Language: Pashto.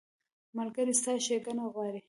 ملګری ستا ښېګڼه غواړي.